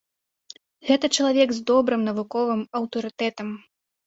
Гэта чалавек з добрым навуковым аўтарытэтам.